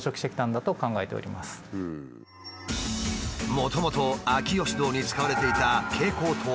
もともと秋芳洞に使われていた蛍光灯や白熱灯。